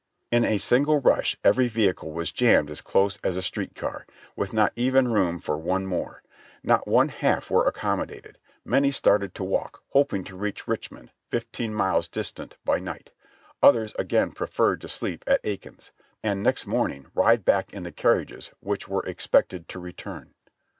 In a single rush every vehicle was jammed as close as a street car, with not even room for "one more." Not one half were accommodated ; many started to walk, hoping to reach Richmond, fifteen miles distant, by night. Others again preferred to sleep at Aikens, and next morning ride back in the carriages, which were expected to return.